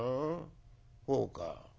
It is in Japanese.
そうか。